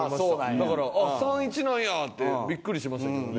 だから３：１なんやってビックリしましたけどね。